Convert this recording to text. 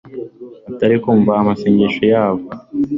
atari kumva amasengesho yabo